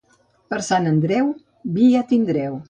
Per Sant Andreu, vi ja tindreu.